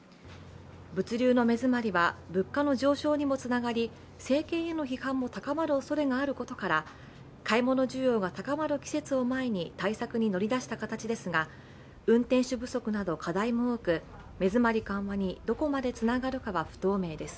物流の目詰まりは物価の上昇にもつながり政権への批判も高まるおそれがあることから買い物需要が高まる季節を前に対策に乗り出した形ですが運転手不足など課題も多く、目詰まり緩和にどこまでつながるかは不透明です。